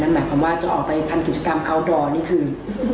หมายความว่าจะออกไปทำกิจกรรมอัลดอร์นี่คือ